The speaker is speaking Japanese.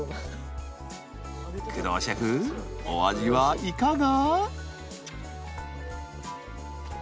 工藤シェフお味はいかが？